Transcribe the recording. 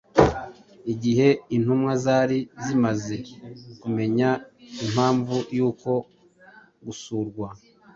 Igihe intumwa zari zimaze kumenya impamvu y’uko gusurwa